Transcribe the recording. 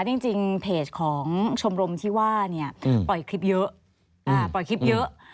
จริงเพจของชมรมที่ว่าเนี่ยปล่อยคลิปเยอะปล่อยคลิปเยอะ